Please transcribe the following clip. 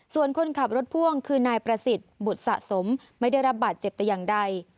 ส่วนคนขับรถพ่วงคือนายประสิทธิ์บุตรสะสมไม่ได้รับบาดเจ็บแต่อย่างใด